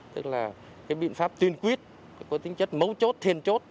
tức là biện pháp tuyên quyết có tính chất mấu chốt thiên chốt